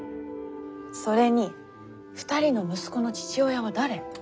それに２人の息子の父親は誰？